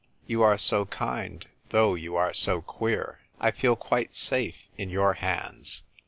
"You are so kind, though you are so queer. I feel quite safe in your hands.